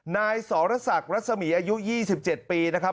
นายสรษักรัศมีอายุ๒๗ปีนะครับ